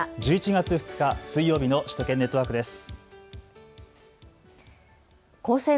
１１月２日、水曜日の首都圏ネットワークです。